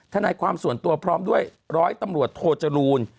ทนายความส่วนตัวพร้อมด้วยร้อยตำรวจโทจรูล